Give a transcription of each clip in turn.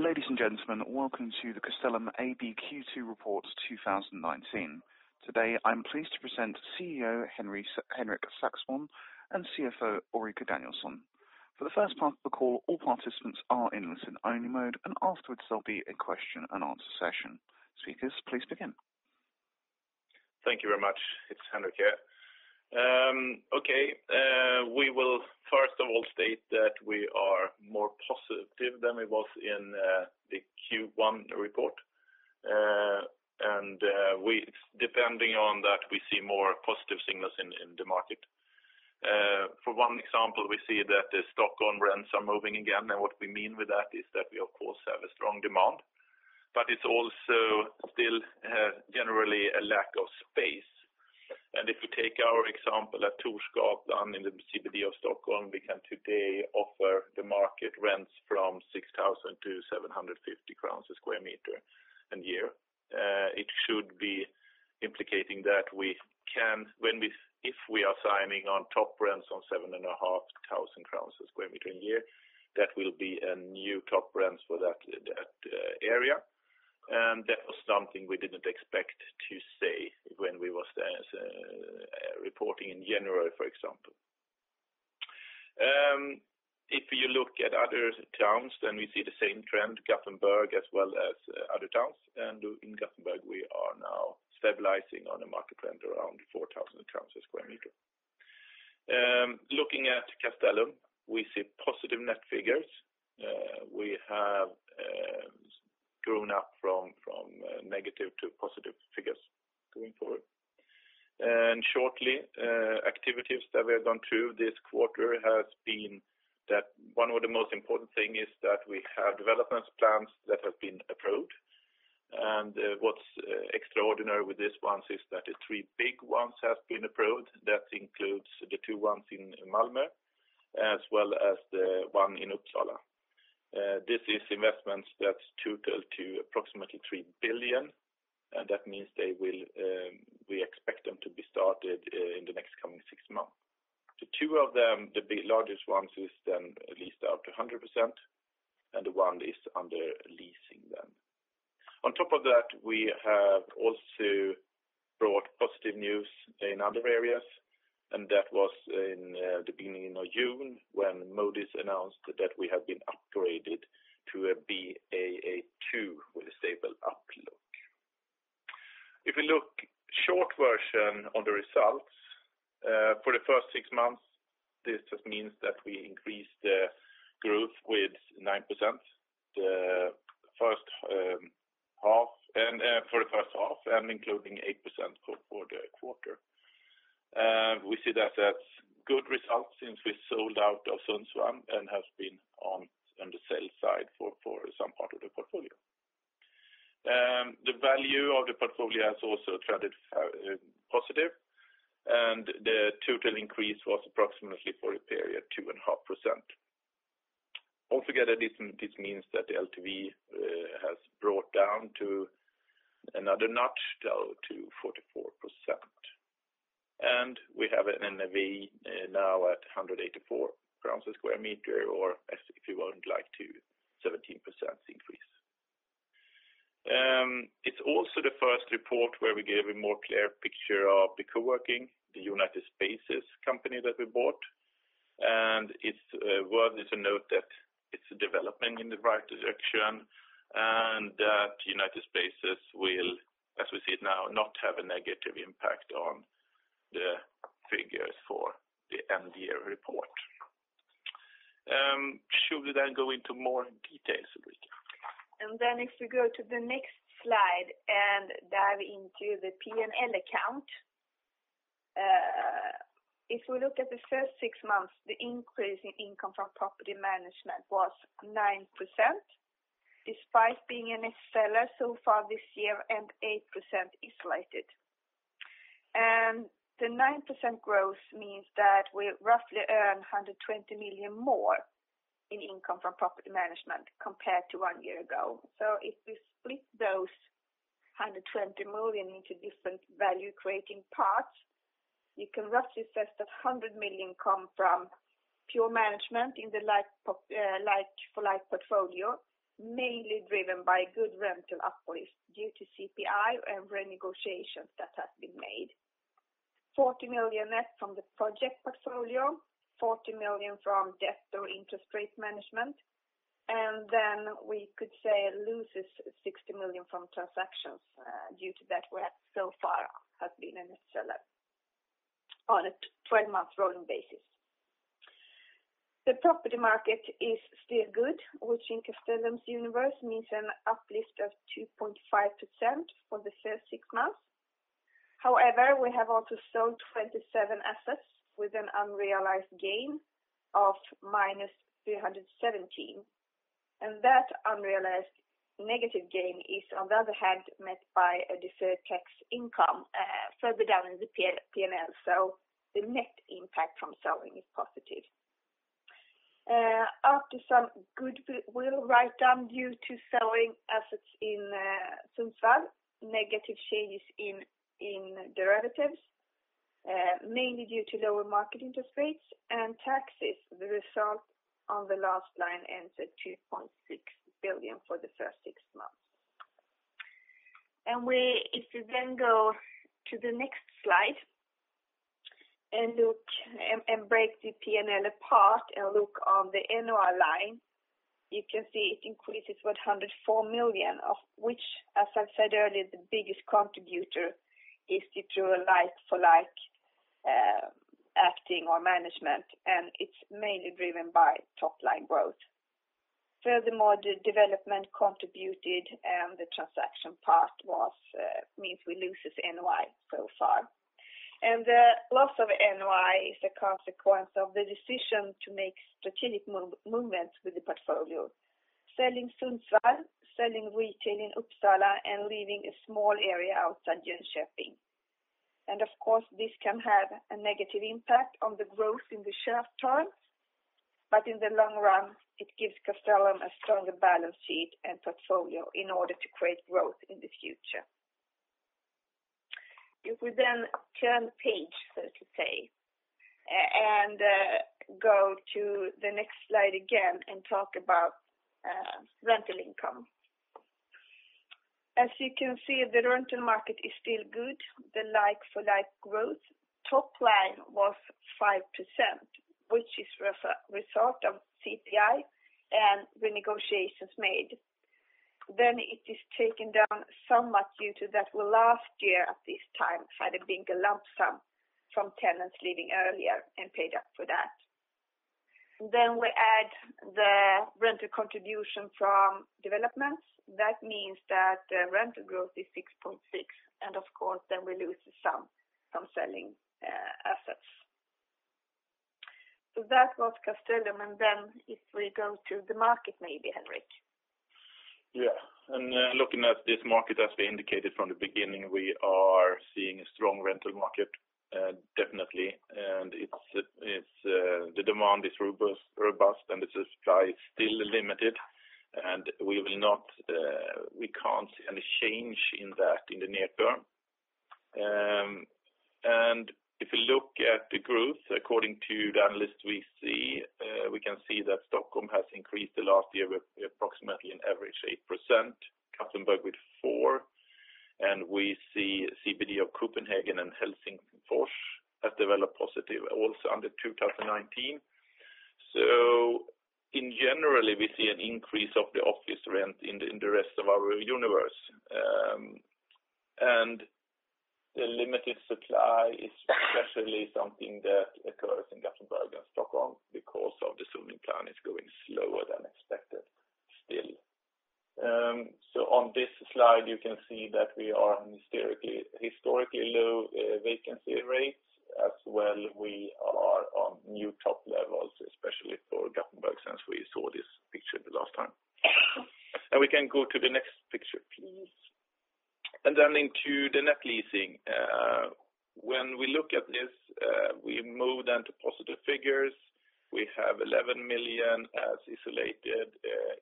Ladies and gentlemen, welcome to the Castellum AB Q2 report 2019. Today, I'm pleased to present CEO Henrik Saxborn and CFO Ulrika Danielsson. For the first part of the call, all participants are in listen-only mode, and afterwards there'll be a question and answer session. Speakers, please begin. Thank you very much. It's Henrik here. We will first of all state that we are more positive than we were in the Q1 report. Depending on that, we see more positive signals in the market. For one example, we see that the Stockholm rents are moving again. What we mean by that is that we, of course, have a strong demand, but it's also still generally a lack of space. If we take our example at Torsgatan in the CBD of Stockholm, we can today offer the market rents from 6,000 to 750 crowns a square meter a year. It should be implicating that if we are signing on top rents on 7,500 a square meter a year, that will be a new top rent for that area. That was something we didn't expect to say when we were reporting in January, for example. If you look at other towns, then we see the same trend, Gothenburg as well as other towns. In Gothenburg, we are now stabilizing on a market rent around 4,000 a square meter. Looking at Castellum, we see positive net figures. We have grown up from negative to positive figures going forward. Shortly, activities that we have gone through this quarter has been that one of the most important things is that we have development plans that have been approved. What's extraordinary with this one is that the three big ones have been approved. That includes the two ones in Malmö as well as the one in Uppsala. This is investments that total to approximately 3 billion, that means we expect them to be started in the next coming six months. The two of them, the largest ones, is then leased out to 100%, one is under leasing then. On top of that, we have also brought positive news in other areas, that was in the beginning of June when Moody's announced that we have been upgraded to a Baa2 with a stable outlook. If you look short version on the results for the first six months, this just means that we increased the growth with 9% for the first half and including 8% for the quarter. We see that that's good results since we sold out of Sundsvall and have been on the sell side for some part of the portfolio. The value of the portfolio has also traded positive, the total increase was approximately for the period 2.5%. Altogether, this means that the LTV has brought down to another notch down to 44%. We have an NAV now at 184 a square meter or, if you would like to, 17% increase. It's also the first report where we give a more clear picture of the co-working, the United Spaces company that we bought. It's worthy to note that it's developing in the right direction and that United Spaces will, as we see it now, not have a negative impact on the figures for the end-year report. Should we then go into more details, Ulrika? If we go to the next slide and dive into the P&L account. If we look at the first six months, the increase in income from property management was 9%, despite being a net seller so far this year and 8% isolated. The 9% growth means that we roughly earn 120 million more in income from property management compared to one year ago. If we split those 120 million into different value-creating parts, you can roughly say that 100 million come from pure management in the for life portfolio, mainly driven by good rental uplifts due to CPI and renegotiations that have been made. 40 million net from the project portfolio, 40 million from debt or interest rate management, then we could say loses 60 million from transactions due to that we have so far have been a net seller on a 12-month rolling basis. The property market is still good, which in Castellum's universe means an uplift of 2.5% for the first six months. However, we have also sold 27 assets with an unrealized gain of -317 million. That unrealized negative gain is, on the other hand, met by a deferred tax income further down in the P&L, so the net impact from selling is positive. After some goodwill write-down due to selling assets in Sundsvall, negative changes in derivatives, mainly due to lower market interest rates and taxes. The result on the last line ends at 2.6 billion for the first six months. If we go to the next slide and break the P&L apart and look on the NOI line, you can see it increases 104 million, of which, as I've said earlier, the biggest contributor is due to a like-for-like acting or management, and it's mainly driven by top-line growth. Furthermore, the development contributed and the transaction part means we lose NOI so far. The loss of NOI is a consequence of the decision to make strategic movements with the portfolio. Selling Sundsvall, selling retail in Uppsala, and leaving a small area outside Jönköping. Of course, this can have a negative impact on the growth in the short term, but in the long run, it gives Castellum a stronger balance sheet and portfolio in order to create growth in the future. If we turn the page, so to say, and go to the next slide again and talk about rental income. As you can see, the rental market is still good. The like-for-like growth top line was 5%, which is a result of CPI and the negotiations made. It is taken down somewhat due to that last year at this time had there been a lump sum from tenants leaving earlier and paid up for that. We add the rental contribution from developments. That means that rental growth is 6.6%. Of course we lose some from selling assets. That was Castellum, and if we go to the market maybe, Henrik. Yeah. Looking at this market, as we indicated from the beginning, we are seeing a strong rental market, definitely. The demand is robust, and the supply is still limited, and we can't see any change in that in the near term. If you look at the growth according to the analyst, we can see that Stockholm has increased the last year with approximately an average 8%, Gothenburg with 4%, and we see CBD of Copenhagen and Helsinki have developed positive also under 2019. In general, we see an increase of the office rent in the rest of our universe. The limited supply is especially something that occurs in Gothenburg and Stockholm because of the zoning plan is going slower than expected still. On this slide, you can see that we are on historically low vacancy rates as well we are on new top levels, especially for Gothenburg since we saw this picture the last time. We can go to the next picture, please. Into the net leasing. When we look at this, we move to positive figures. We have 11 million as isolated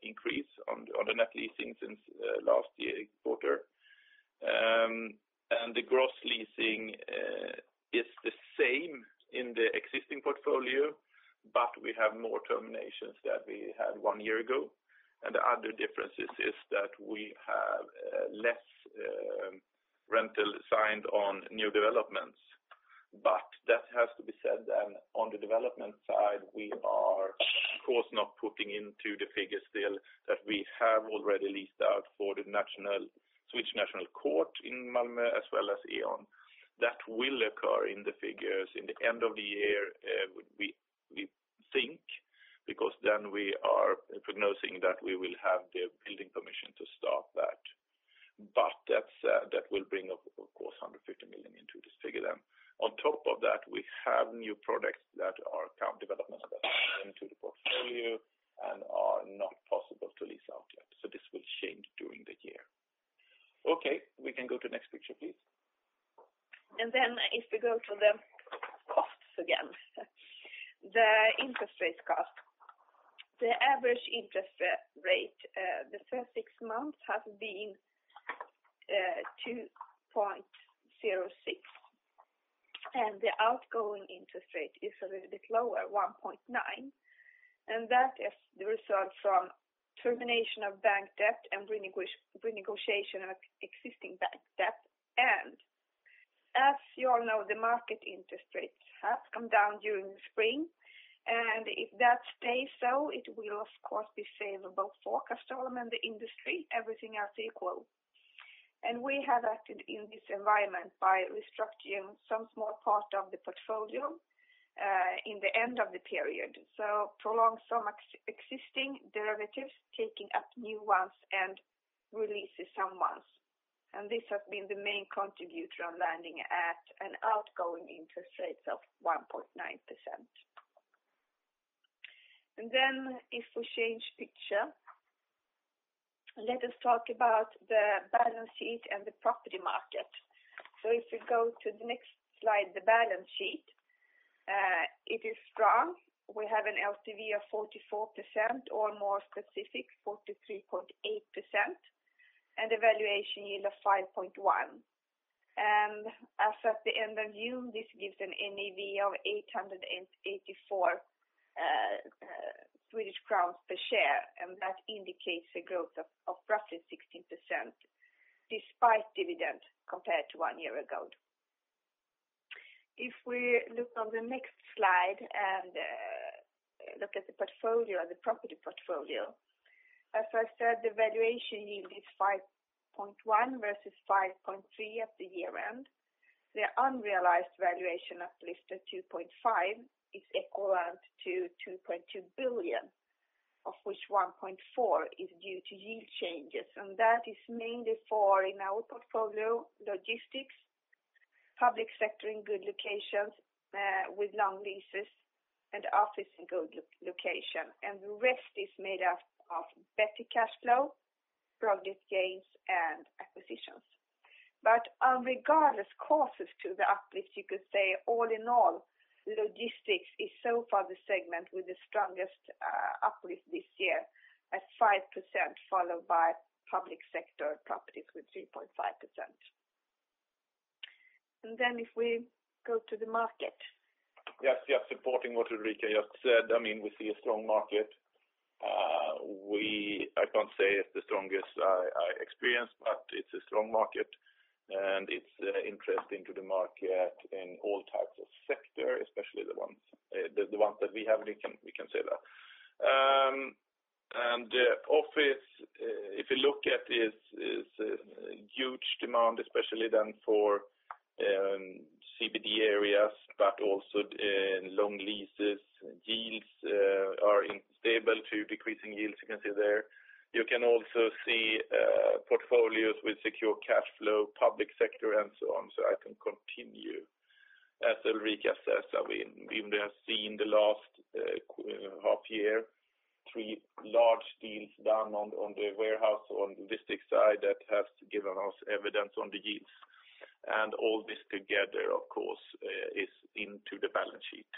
increase on the net leasing since last year quarter. The gross leasing is the same in the existing portfolio, but we have more terminations than we had one year ago. The other difference is that we have less rental signed on new developments. That has to be said on the development side, we are of course not putting into the figures still that we have already leased out for the Swedish National Court in Malmö as well as E.ON. That will occur in the figures in the end of the year, we think, because we are prognosing that we will have the building permission to start that. That will bring up of course 150 million into this figure. On top of that, we have new products that are current developments that are into the portfolio and are not possible to lease out yet. This will change during the year. Okay, we can go to the next picture, please. If we go to the costs again. The interest rates cost. The average interest rate the first six months has been 2.06%, and the outgoing interest rate is a little bit lower, 1.9%. That is the result from termination of bank debt and renegotiation of existing bank debt. As you all know, the market interest rates have come down during the spring, and if that stays so, it will of course be favorable for Castellum and the industry, everything else equal. We have acted in this environment by restructuring some small part of the portfolio in the end of the period. Prolonged some existing derivatives, taking up new ones, and released some ones. This has been the main contributor on landing at an outgoing interest rate of 1.9%. If we change picture, let us talk about the balance sheet and the property market. If you go to the next slide, the balance sheet. It is strong. We have an LTV of 44%, or more specific, 43.8%, and a valuation yield of 5.1. As at the end of June, this gives an NAV of 184 Swedish crowns per share, and that indicates a growth of roughly 16%, despite dividend, compared to one year ago. If we look on the next slide and look at the property portfolio, as I said, the valuation yield is 5.1 versus 5.3 at the year-end. The unrealized valuation uplift of 2.5 is equivalent to 2.2 billion, of which 1.4 billion is due to yield changes, and that is mainly for in our portfolio, logistics, public sector in good locations with long leases, and office in good location. The rest is made up of better cash flow, project gains, and acquisitions. Regardless of causes to the uplift, you could say, all in all, logistics is so far the segment with the strongest uplift this year at 5%, followed by public sector properties with 3.5%. If we go to the market. Yes. Supporting what Ulrika just said, we see a strong market. I can't say it's the strongest I experienced, but it's a strong market, and it's interesting to the market in all types of sector, especially the ones that we have, we can say that. Office, if you look at, is huge demand, especially then for CBD areas, but also in long leases. Yields are stable to decreasing yields you can see there. You can also see portfolios with secure cash flow, public sector, and so on. I can continue. As Ulrika says, we have seen the last half year, three large deals done on the warehouse, on logistics side that has given us evidence on the yields. All this together, of course, is into the balance sheet.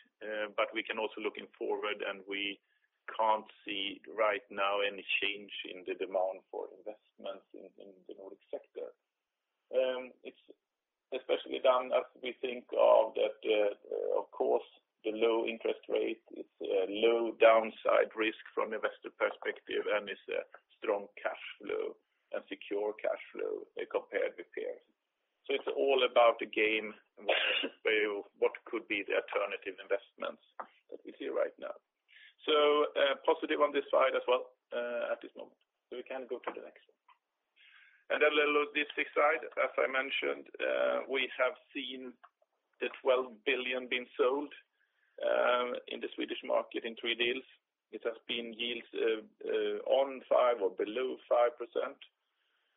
We can also looking forward, we can't see right now any change in the demand for investments in the Nordic sector. It's especially done as we think of that, of course, the low interest rate, it's a low downside risk from investor perspective and is a strong cash flow and secure cash flow compared with peers. It's all about the game and what could be the alternative investments that we see right now. Positive on this side as well at this moment. We can go to the next one. The logistics side, as I mentioned, we have seen the 12 billion being sold in the Swedish market in three deals. It has been yields on 5% or below 5%.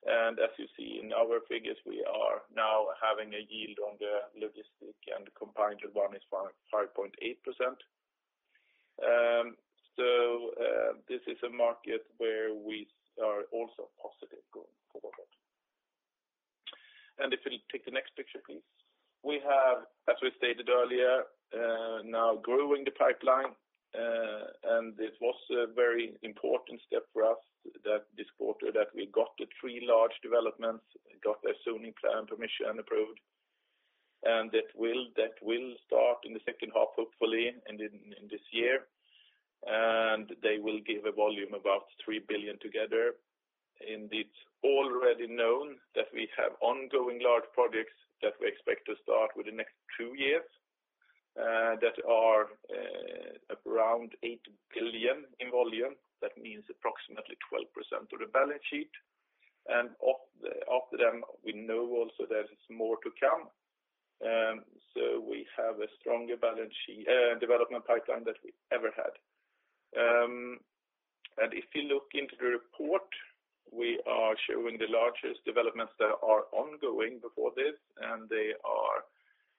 As you see in our figures, we are now having a yield on the logistic and combined with one is 5.8%. This is a market where we are also positive going forward. If you take the next picture, please. We have, as we stated earlier, now growing the pipeline, and it was a very important step for us this quarter that we got the three large developments, got their zoning plan permission approved. That will start in the second half, hopefully in this year. They will give a volume about 3 billion together. It's already known that we have ongoing large projects that we expect to start within next two years, that are around 8 billion in volume. That means approximately 12% of the balance sheet. After them, we know also there is more to come. We have a stronger development pipeline than we ever had. If you look into the report, we are showing the largest developments that are ongoing before this, and they are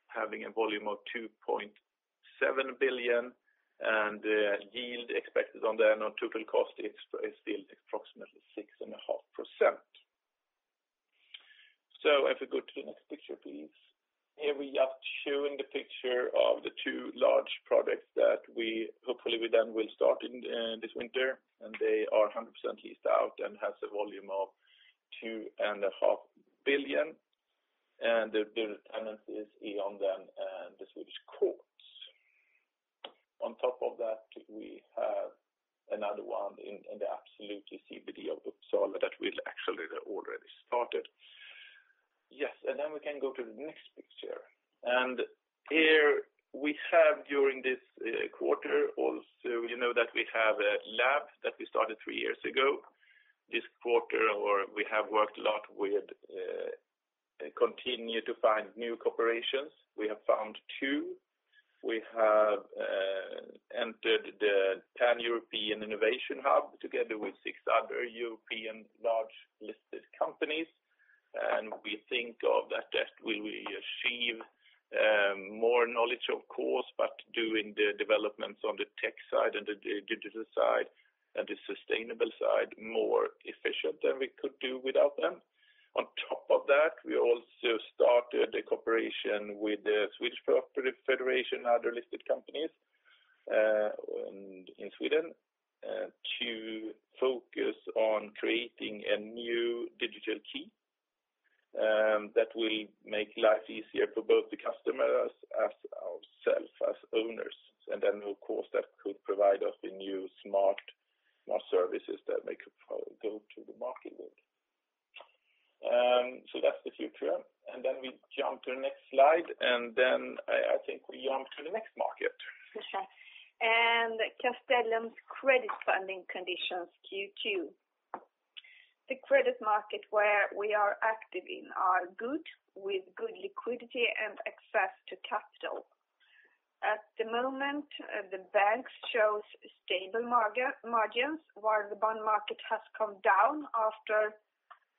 having a volume of 2.7 billion, and the yield expected on their total cost is still approximately 6.5%. If we go to the next picture, please. Here we are showing the picture of the two large projects that hopefully we then will start this winter, and they are 100% leased out and has a volume of 2.5 billion. The tenant is E.ON then and the Swedish courts. On top of that, we have another one in the Absolute CBD of Uppsala that we'll actually already started. Yes. We can go to the next picture. Here we have, during this quarter, also you know that we have a lab that we started three years ago. This quarter we have worked a lot with continue to find new cooperations. We have found two. We have entered the European Digital Innovation Hubs together with six other European large-listed companies. We think of that will achieve more knowledge, of course, but doing the developments on the tech side and the digital side and the sustainable side more efficient than we could do without them. On top of that, we also started a cooperation with the Swedish Property Federation, other listed companies in Sweden to focus on creating a new digital key that will make life easier for both the customers, as ourselves, as owners. Of course, that could provide us with new smart services that may go to the market. That's the future. We jump to the next slide, I think we jump to the next market. Okay. Castellum's credit funding conditions Q2. The credit market where we are active in are good, with good liquidity and access to capital. At the moment, the banks show stable margins while the bond market has come down after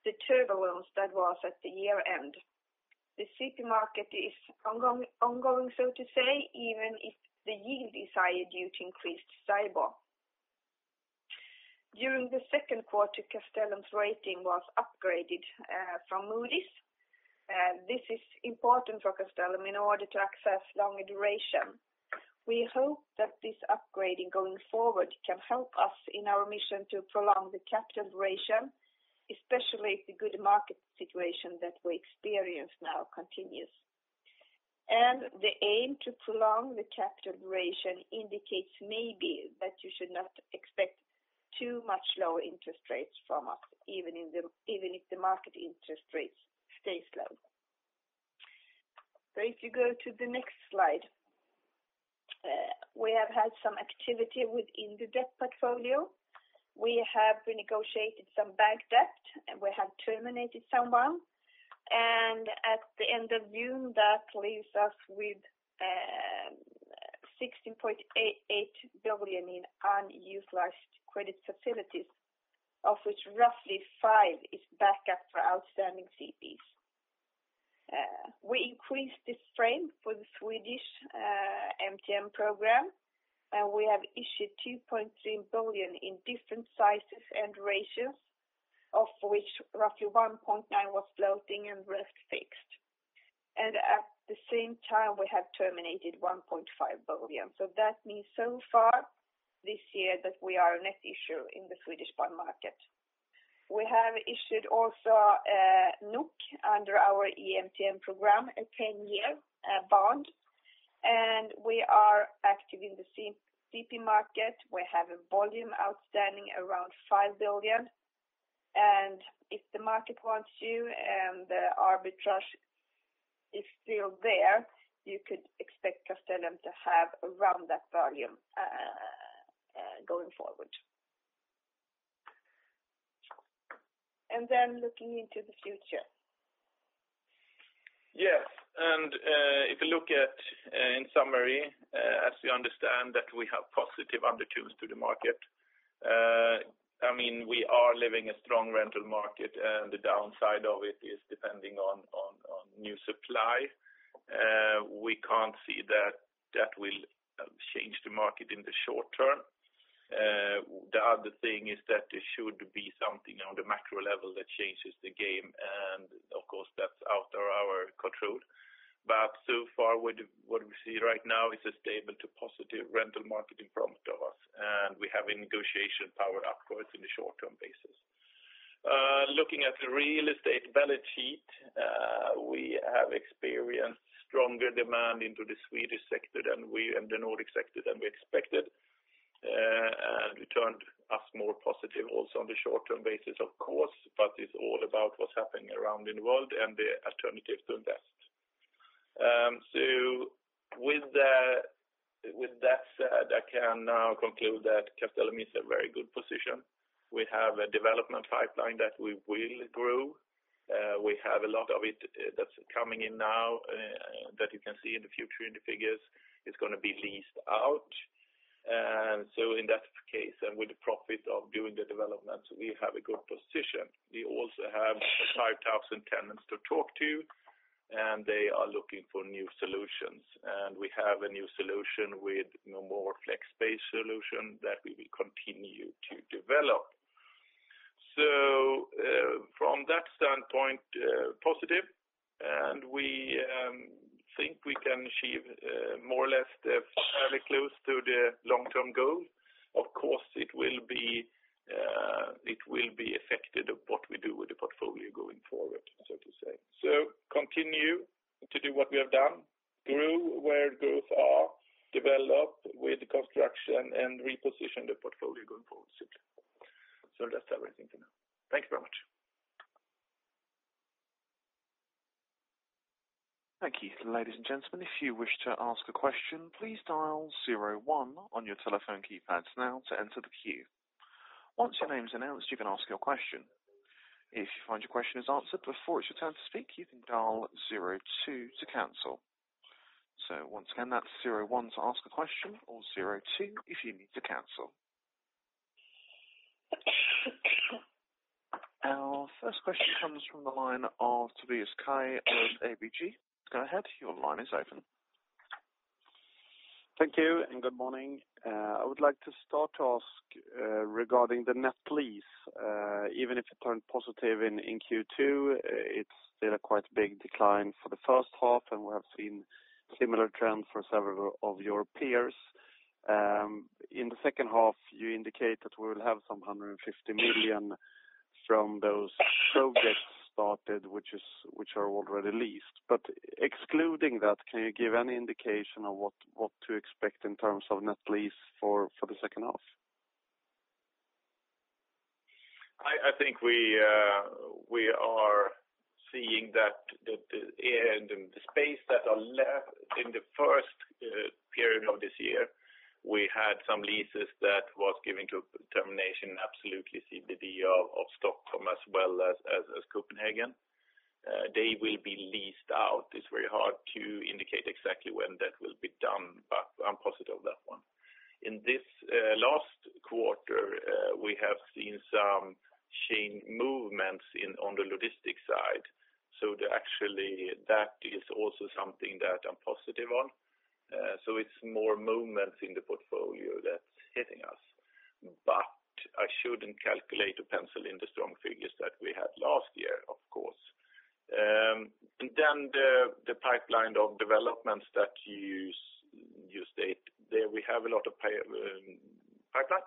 the turbulence that was at the year-end. The CP market is ongoing, so to say, even if the yield is higher due to increased STIBOR. During the second quarter, Castellum's rating was upgraded from Moody's. This is important for Castellum in order to access longer duration. We hope that this upgrading going forward can help us in our mission to prolong the capital duration, especially if the good market situation that we experience now continues. The aim to prolong the capital duration indicates maybe that you should not expect too much lower interest rates from us, even if the market interest rates stay slow. If you go to the next slide. We have had some activity within the debt portfolio. We have renegotiated some bank debt, and we have terminated some bonds. At the end of June, that leaves us with 16.8 billion in unutilized credit facilities, of which roughly 5 billion is backup for outstanding CPs. We increased this frame for the Swedish EMTN program, we have issued 2.3 billion in different sizes and ratios, of which roughly 1.9 billion was floating and rest fixed. At the same time, we have terminated 1.5 billion. That means so far this year that we are a net issuer in the Swedish bond market. We have issued also a NOK under our EMTN program, a 10-year bond. We are active in the CP market. We have a volume outstanding around 5 billion. If the market wants to and the arbitrage is still there, you could expect Castellum to have around that volume going forward. Looking into the future. Yes. If you look at in summary, as you understand, that we have positive undertones to the market. We are living a strong rental market. The downside of it is depending on new supply. We can't see that that will change the market in the short term. The other thing is that there should be something on the macro level that changes the game, and of course, that's out of our control. What we see right now is a stable to positive rental market in front of us, and we have a negotiation power upwards in the short-term basis. Looking at the real estate balance sheet, we have experienced stronger demand into the Swedish sector and the Nordic sector than we expected, and returned us more positive also on the short-term basis, of course, but it is all about what is happening around in the world and the alternative to invest. With that said, I can now conclude that Castellum is in a very good position. We have a development pipeline that we will grow. We have a lot of it that is coming in now that you can see in the future in the figures. It is going to be leased out. In that case, and with the profit of doing the development, we have a good position. We also have 5,000 tenants to talk to, and they are looking for new solutions. We have a new solution with no more flex space solution that we will continue to develop. From that standpoint, positive, and we think we can achieve more or less fairly close to the long-term goal. Of course, it will be affected of what we do with the portfolio going forward, so to say. Continue to do what we have done, grow where growth are, develop with construction, and reposition the portfolio going forward simply. That is everything for now. Thank you very much. Thank you. Ladies and gentlemen, if you wish to ask a question, please dial zero one on your telephone keypads now to enter the queue. Once your name is announced, you can ask your question. If you find your question is answered before it is your turn to speak, you can dial zero two to cancel. Once again, that is zero one to ask a question or zero two if you need to cancel. Our first question comes from the line of Tobias Kaj of ABG. Go ahead. Your line is open. Thank you and good morning. I would like to start to ask regarding the net lease. Even if it turned positive in Q2, it is still a quite big decline for the first half. We have seen similar trends for several of your peers. In the second half, you indicate that we will have some 150 million from those projects started which are already leased. Excluding that, can you give any indication of what to expect in terms of net lease for the second half? I think we are seeing that in the space that are left in the first period of this year. We had some leases that was given to termination, absolutely CBD of Stockholm as well as Copenhagen. They will be leased out. It's very hard to indicate exactly when that will be done, but I'm positive on that one. In this last quarter, we have seen some change movements on the logistics side. Actually that is also something that I'm positive on. It's more movements in the portfolio that's hitting us. I shouldn't calculate or pencil in the strong figures that we had last year, of course. The pipeline of developments that you state, there we have a lot of pipeline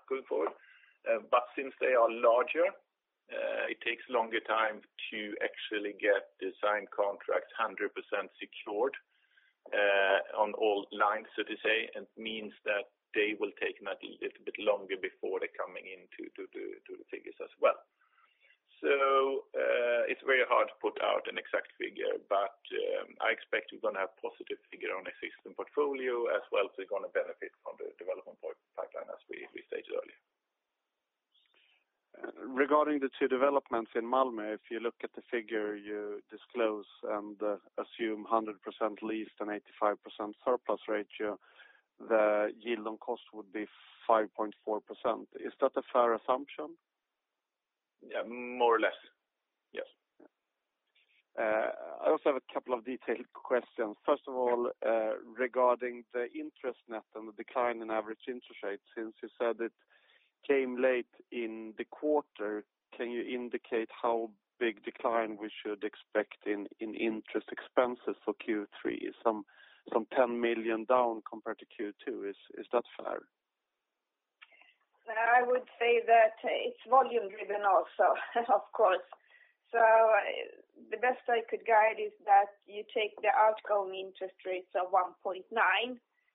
going forward. Since they are larger, it takes longer time to actually get design contracts 100% secured on all lines, so to say. It means that they will take a little bit longer before they're coming into the figures as well. It's very hard to put out an exact figure. I expect we're going to have positive figure on existing portfolio as well. We're going to benefit from the development pipeline as we stated earlier. Regarding the two developments in Malmö, if you look at the figure you disclose and assume 100% leased and 85% surplus ratio, the yield on cost would be 5.4%. Yeah, more or less. Yes. I also have a couple of detailed questions. First of all, regarding the interest net and the decline in average interest rates, since you said it came late in the quarter, can you indicate how big decline we should expect in interest expenses for Q3? Some 10 million down compared to Q2. Is that fair? I would say that it's volume-driven also of course. The best I could guide is that you take the outgoing interest rates of 1.9%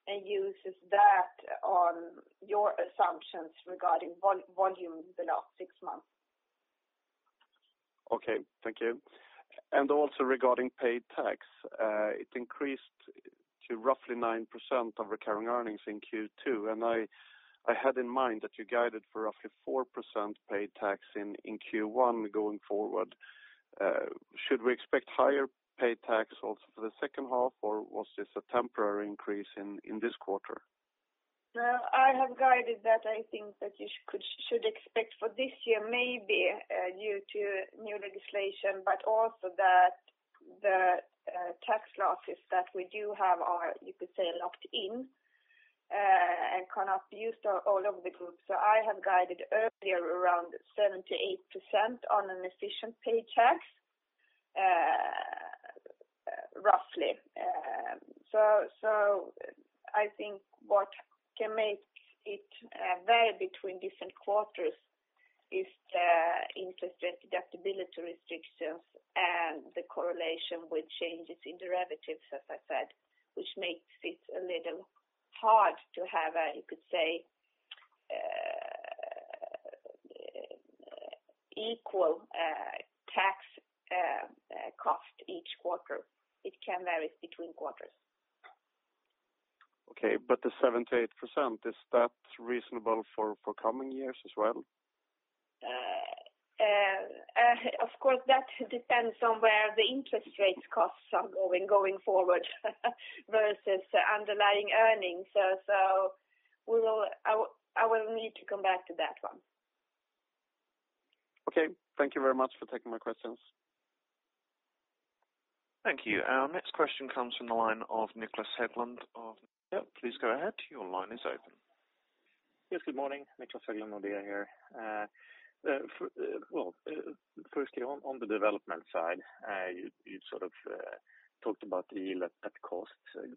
and uses that on your assumptions regarding volume in the last six months. Okay. Thank you. Also regarding paid tax, it increased to roughly 9% of recurring earnings in Q2, and I had in mind that you guided for roughly 4% paid tax in Q1 going forward. Should we expect higher paid tax also for the second half, or was this a temporary increase in this quarter? No. I have guided that I think that you should expect for this year, maybe due to new legislation, but also that the tax losses that we do have are, you could say, locked in and cannot be used all over the group. I have guided earlier around 7%-8% on an efficient paid tax, roughly. I think what can make it vary between different quarters is the interest deductibility restrictions and the correlation with changes in derivatives, as I said, which makes it a little hard to have a, you could say, equal tax cost each quarter. It can vary between quarters. Okay. The 7%-8%, is that reasonable for coming years as well? Of course, that depends on where the interest rates costs are going forward versus underlying earnings. I will need to come back to that one. Okay. Thank you very much for taking my questions. Thank you. Our next question comes from the line of Niklas Oderud. Please go ahead. Your line is open. Yes, good morning. Niklas Oderud of DNB here. Well, firstly, on the development side, you sort of talked about the yield at cost.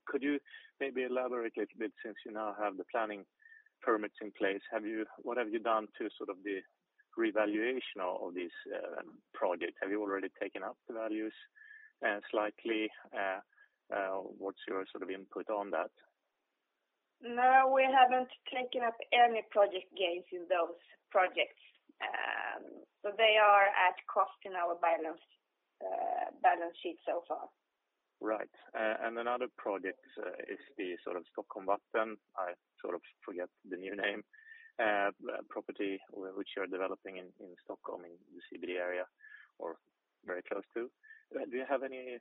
Could you maybe elaborate a little bit since you now have the planning permits in place? What have you done to sort of the revaluation of this project? Have you already taken up the values slightly? What's your input on that? No, we haven't taken up any project gains in those projects. They are at cost in our balance sheet so far. Right. Another project is the sort of Stockholm Vatten. I sort of forget the new name, property which you're developing in Stockholm, in the CBD area, or very close to. Do you have any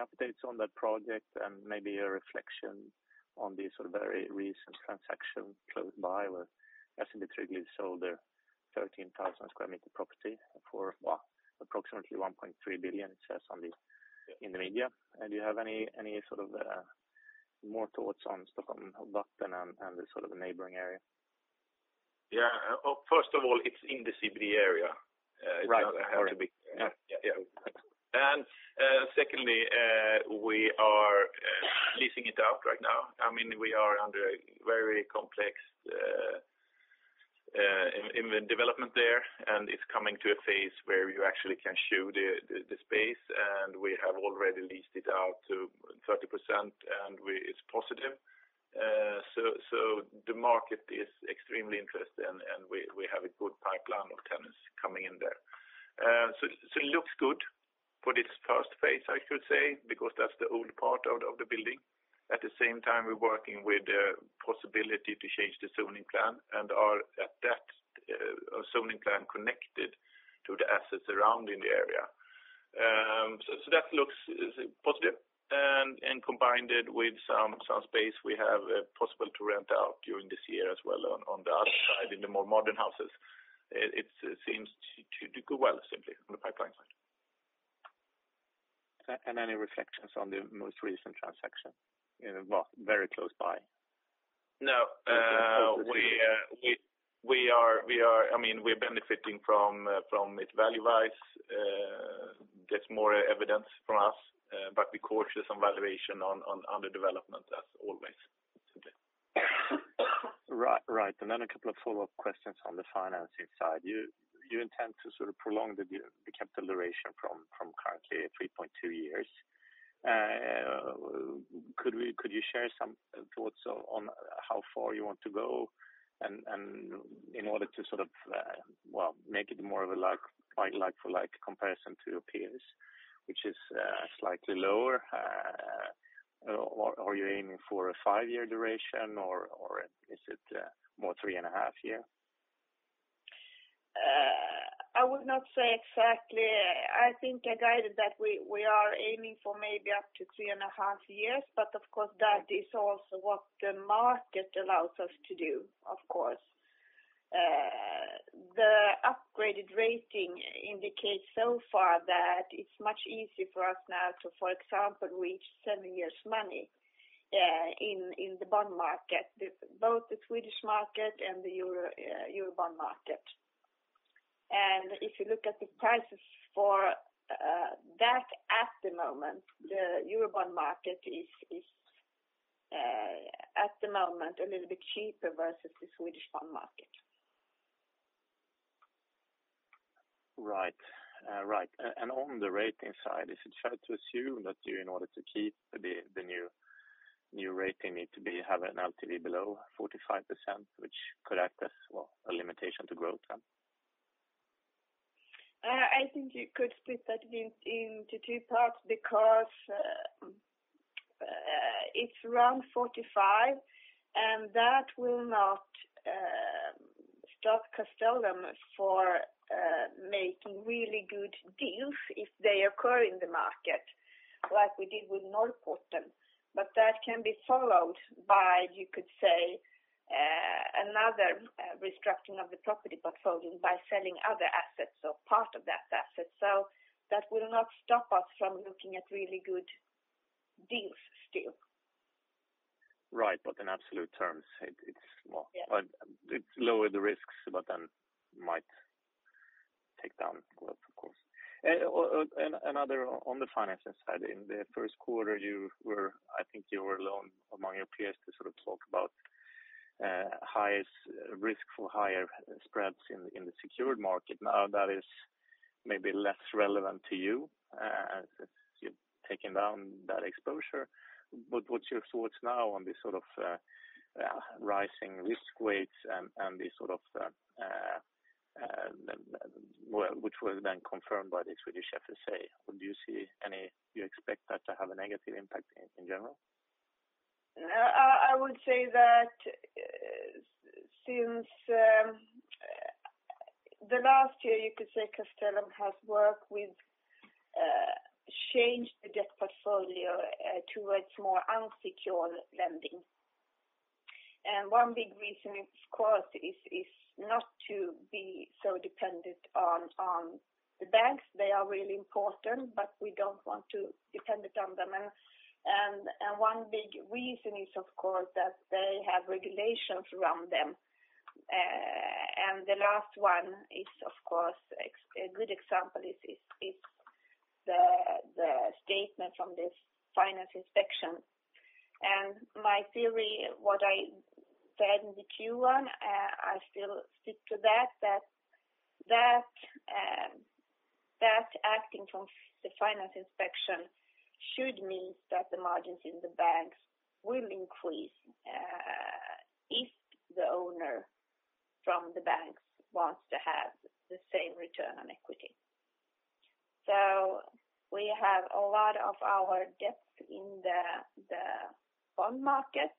updates on that project and maybe a reflection on the sort of very recent transaction close by where SBB recently sold their 13,000 sq m property for approximately 1.3 billion it says in the media. Do you have any more thoughts on Stockholm and the neighboring area? Yeah. First of all, it's in the CBD area. Right. It doesn't have to be. Yeah. Secondly, we are leasing it out right now. We are under a very complex development there. It's coming to a phase where you actually can show the space. We have already leased it out to 30%, and it's positive. The market is extremely interested. We have a good pipeline of tenants coming in there. It looks good for this first phase, I should say, because that's the old part of the building. At the same time, we're working with the possibility to change the zoning plan. Are at that zoning plan connected to the assets around in the area. That looks positive. Combined it with some space we have possible to rent out during this year as well on the other side, in the more modern houses. It seems to go well simply from the pipeline side. Any reflections on the most recent transaction, very close by? No. We're benefiting from it value-wise, gets more evidence for us, but we're cautious on valuation on the development as always. Simply. Right. A couple of follow-up questions on the financing side. You intend to prolong the capital duration from currently 3.2 years. Could you share some thoughts on how far you want to go and in order to make it more of a like for like comparison to your peers, which is slightly lower. Are you aiming for a five-year duration or is it more three and a half year? I would not say exactly. I think I guided that we are aiming for maybe up to three and a half years, but of course, that is also what the market allows us to do. The upgraded rating indicates so far that it's much easier for us now to, for example, reach seven years money in the bond market, both the Swedish market and the Euro bond market. If you look at the prices for that at the moment, the Euro bond market is at the moment a little bit cheaper versus the Swedish bond market. Right. On the rating side, is it fair to assume that you, in order to keep the new rating need to have an LTV below 45%, which could act as well, a limitation to growth then? I think you could split that into two parts because it's around 45%, and that will not stop Castellum for making really good deals if they occur in the market like we did with Norrporten. That can be followed by, you could say another restructuring of the property portfolio by selling other assets or part of that asset. That will not stop us from looking at really good deals still. In absolute terms, it's lowered the risks, but then might take down growth, of course. Another on the financing side, in the first quarter, I think you were alone among your peers to talk about risk for higher spreads in the secured market. That is maybe less relevant to you as you've taken down that exposure. What's your thoughts now on this rising risk weights and this sort of, which was then confirmed by the Swedish FSA. Do you expect that to have a negative impact in general? I would say that since the last year, you could say Castellum has worked with change the debt portfolio towards more unsecured lending. One big reason, of course, is not to be so dependent on the banks. They are really important, but we don't want to be dependent on them. One big reason is, of course, that they have regulations around them. The last one is, of course, a good example is the statement from this finance inspection. My theory, what I said in the Q1, I still stick to that acting from the finance inspection should mean that the margins in the banks will increase, if the owner from the banks wants to have the same return on equity. We have a lot of our debt in the bond market.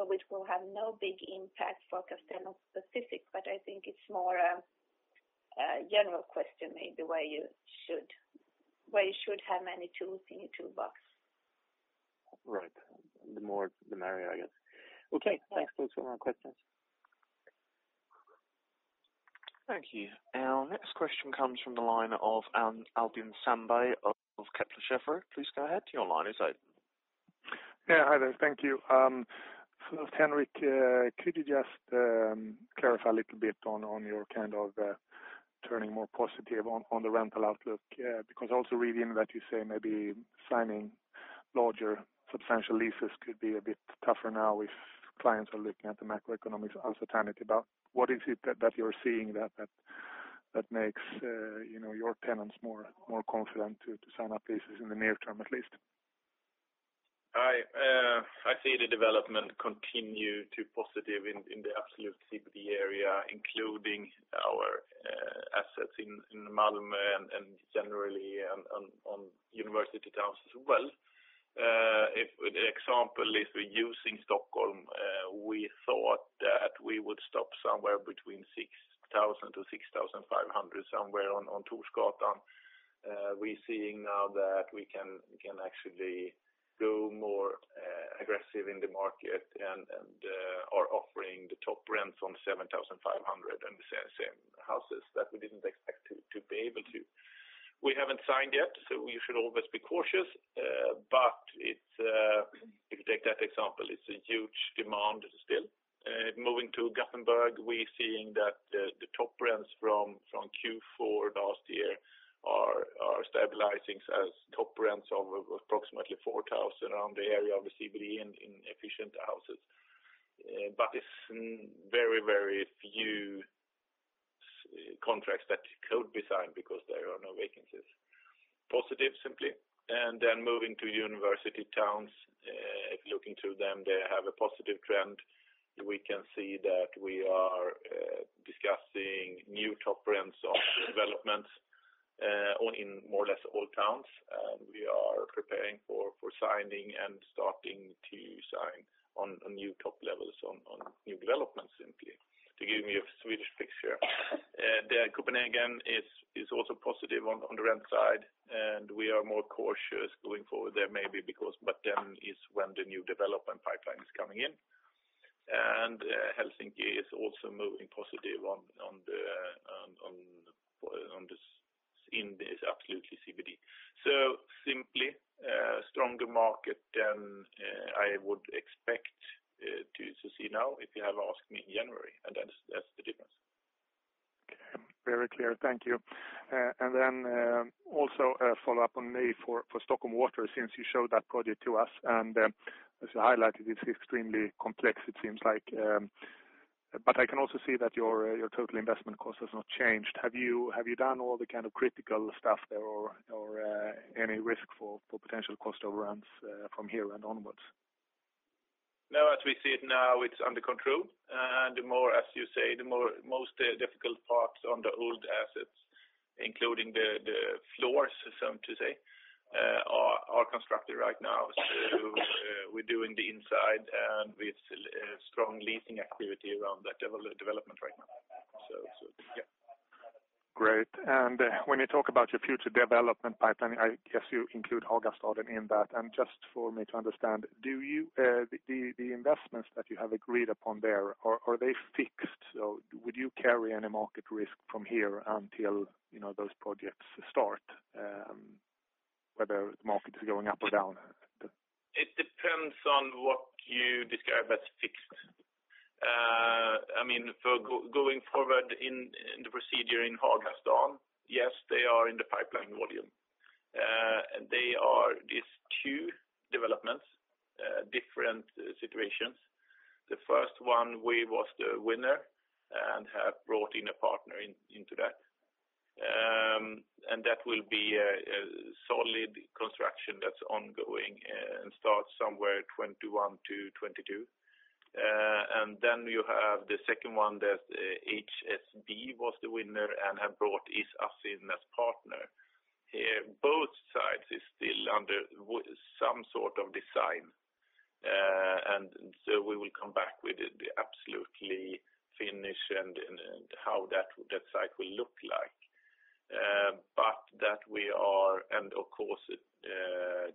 It will have no big impact for Castellum specific, but I think it's more a general question, maybe where you should have many tools in your toolbox. Right. The more the merrier, I guess. Okay. Thanks. Those were my questions. Thank you. Our next question comes from the line of Albin Sandberg of Kepler Cheuvreux. Please go ahead. Your line is open. Yeah. Hi there. Thank you. First, Henrik, could you just clarify a little bit on your turning more positive on the rental outlook? Also reading that you say maybe signing larger substantial leases could be a bit tougher now if clients are looking at the macroeconomics uncertainty. What is it that you're seeing that makes your tenants more confident to sign up leases in the near term, at least? I see the development continue to positive in the absolute CBD area, including our assets in Malmö and generally on university towns as well. If the example is we're using Stockholm, we thought that we would stop somewhere between 6,000-6,500, somewhere on Torsgatan. We seeing now that we can actually go more aggressive in the market and are offering the top rents on 7,500 and the same houses that we didn't expect to be able to. We haven't signed yet, so we should always be cautious. If you take that example, it's a huge demand still. Moving to Gothenburg, we seeing that the top rents from Q4 last year are stabilizing as top rents of approximately 4,000 around the area of the CBD in efficient houses. It's very, very few contracts that could be signed because there are no vacancies. Positive, simply. Moving to university towns, if looking to them, they have a positive trend. We can see that we are discussing new top rents of developments in more or less all towns. We are preparing for signing and starting to sign on new top levels on new developments, simply. To give you a Swedish picture. Copenhagen is also positive on the rent side, and we are more cautious going forward there maybe because then is when the new development pipeline is coming in. Helsinki is also moving positive in the absolutely CBD. Simply, a stronger market than I would expect to see now if you have asked me in January, and that's the difference. Okay. Very clear. Thank you. Then also a follow-up on me for Stockholm Water, since you showed that project to us. As you highlighted, it is extremely complex, it seems like. I can also see that your total investment cost has not changed. Have you done all the critical stuff there or any risk for potential cost overruns from here and onwards? No. As we see it now, it is under control. The more, as you say, the most difficult parts on the old assets, including the floor, so to say, are constructed right now. We are doing the inside, and we have strong leasing activity around that development right now. Yeah. Great. When you talk about your future development pipeline, I guess you include Hagastaden in that. Just for me to understand, the investments that you have agreed upon there, are they fixed? Would you carry any market risk from here until those projects start, whether the market is going up or down? It depends on what you describe as fixed. For going forward in the procedure in Hagastaden, yes, they are in the pipeline volume. They are these two developments, different situations. The first one, we was the winner and have brought in a partner into that. That will be a solid construction that is ongoing and starts somewhere 2021 to 2022. Then you have the second one that HSB was the winner and have brought us in as partner. Both sides is still under some sort of design. So we will come back with it, be absolutely finished and how that site will look like. Of course,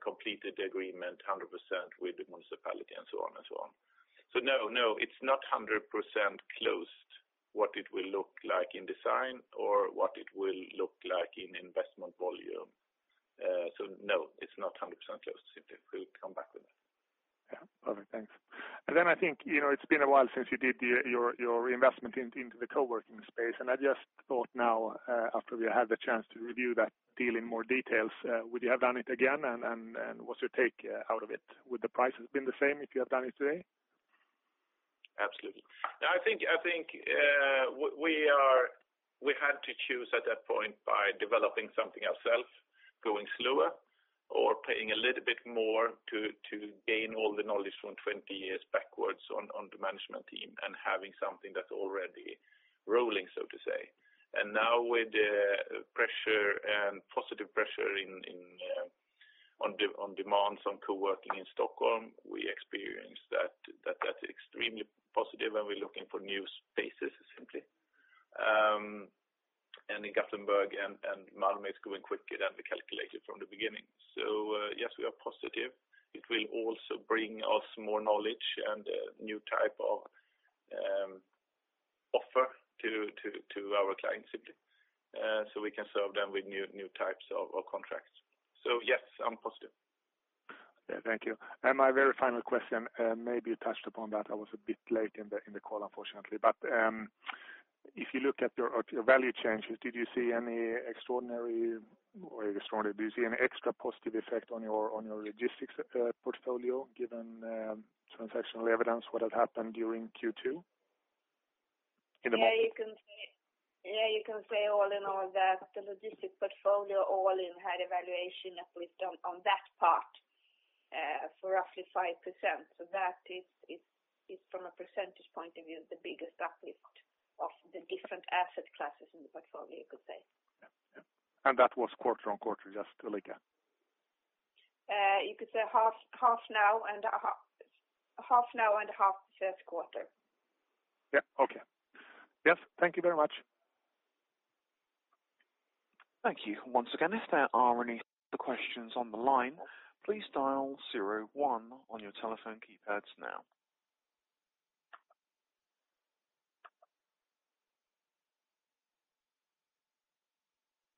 completed the agreement 100% with the municipality and so on. No, it is not 100% closed what it will look like in design or what it will look like in investment volume. No, it is not 100% closed. We'll come back with that. Yeah. Perfect. Thanks. Then I think it's been a while since you did your investment into the co-working space. I just thought now, after we had the chance to review that deal in more details, would you have done it again? What's your take out of it? Would the price have been the same if you had done it today? Absolutely. I think we had to choose at that point by developing something ourselves, going slower or paying a little bit more to gain all the knowledge from 20 years backwards on the management team and having something that's already rolling, so to say. Now with the positive pressure on demands on co-working in Stockholm, we experience that that's extremely positive, and we're looking for new spaces. In Gothenburg and Malmö it's going quicker than we calculated from the beginning. Yes, we are positive. It will also bring us more knowledge and a new type of offer to our clients simply, so we can serve them with new types of contracts. Yes, I'm positive. Yeah. Thank you. My very final question, maybe you touched upon that. I was a bit late in the call, unfortunately. If you look at your value changes, did you see any extraordinary or extraordinary busy, an extra positive effect on your logistics portfolio, given transactional evidence, what had happened during Q2? You can say all in all that the logistics portfolio all in had a valuation uplift on that part for roughly 5%. That is from a percentage point of view, the biggest uplift of the different asset classes in the portfolio, you could say. That was quarter-on-quarter, just to recap. You could say half now and half in the third quarter. Yeah. Okay. Yes, thank you very much. Thank you. Once again, if there are any other questions on the line, please dial zero one on your telephone keypads now.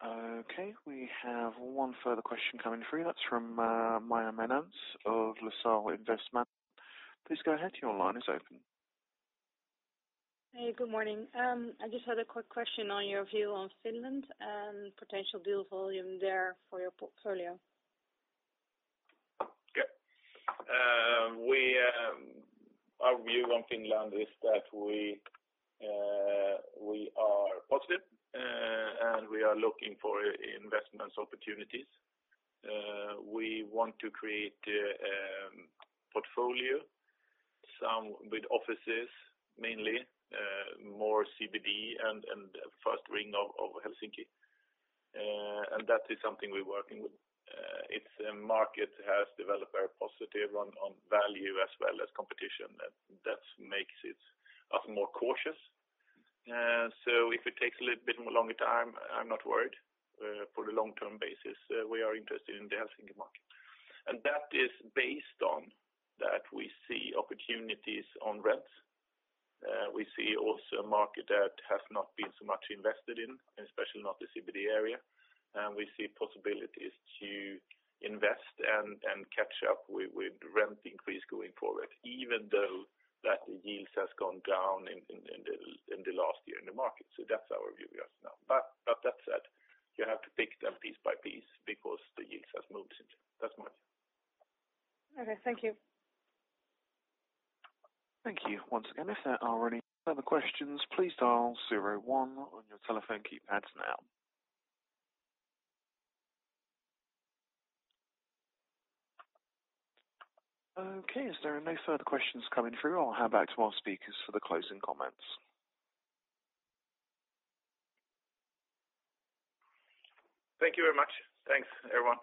Okay, we have one further question coming through. That's from Maya Menons of LaSalle Investment. Please go ahead. Your line is open. Hey, good morning. I just had a quick question on your view on Finland and potential deal volume there for your portfolio. Yeah. Our view on Finland is that we are positive and we are looking for investment opportunities. We want to create a portfolio, some with offices mainly, more CBD and first ring of Helsinki. That is something we're working with. Its market has developed very positive on value as well as competition, that makes us more cautious. If it takes a little bit more longer time, I'm not worried. For the long-term basis, we are interested in the Helsinki market. That is based on that we see opportunities on rents. We see also a market that has not been so much invested in, especially not the CBD area. We see possibilities to invest and catch up with rent increase going forward, even though that the yields has gone down in the last year in the market. That's our view just now. That said, you have to pick them piece by piece because the yields have moved since. That's my view. Okay. Thank you. Thank you. Once again, if there are any further questions, please dial zero one on your telephone keypads now. Okay. As there are no further questions coming through, I'll hand back to our speakers for the closing comments. Thank you very much. Thanks, everyone.